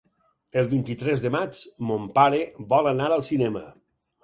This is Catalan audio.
El vint-i-tres de maig mon pare vol anar al cinema.